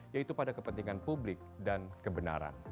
yaitu pada kepentingan publik dan kebenaran